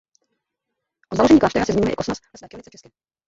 O založení kláštera se zmiňuje i Kosmas ve své Kronice české.